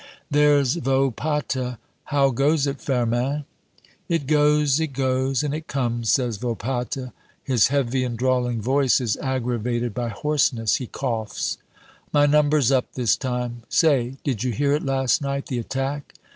"There's Volpatte. How goes it, Firmin?" "It goes, it goes, and it comes," says Volpatte. His heavy and drawling voice is aggravated by hoarseness. He coughs "My number's up, this time. Say, did you hear it last night, the attack?